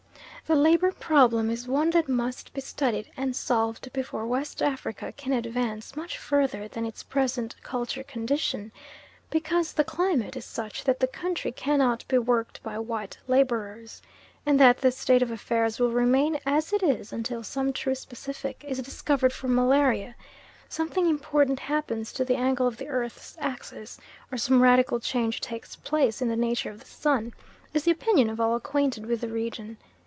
The labour problem is one that must be studied and solved before West Africa can advance much further than its present culture condition, because the climate is such that the country cannot be worked by white labourers; and that this state of affairs will remain as it is until some true specific is discovered for malaria, something important happens to the angle of the earth's axis, or some radical change takes place in the nature of the sun, is the opinion of all acquainted with the region.